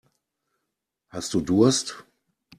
Hast du Durst?